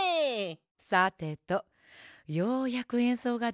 さてとようやくえんそうができるわ。